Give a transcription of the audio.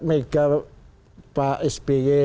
mega pak sby